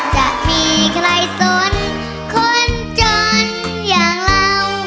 จะมีใครสนคนจนอย่างเรา